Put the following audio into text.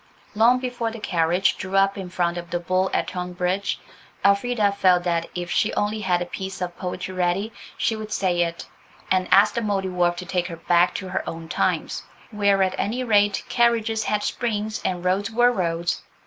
Long before the carriage drew up in front of the "Bull" at Tonbridge, Elfrida felt that if she only had a piece of poetry ready she would say it, and ask the Mouldiwarp to take her back to her own times, where, at any rate, carriages had springs and roads were roads.